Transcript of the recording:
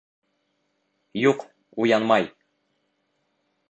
Юҡ, уянмай.